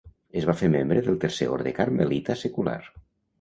Es va fer membre del Tercer Orde Carmelita secular.